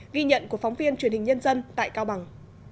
ghi nhận của phóng viên truyền hình nhân dân tại cao bằng